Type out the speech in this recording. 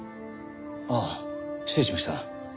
ああ失礼しました。